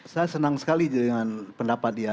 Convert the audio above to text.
saya senang sekali dengan pendapat dia